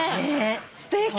すてき。